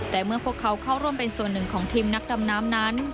แต่เมื่อพวกเขาเข้าร่วมเป็นส่วนหนึ่งของทีมนักดำน้ำนั้น